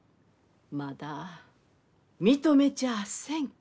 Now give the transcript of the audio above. まだ認めちゃあせんき。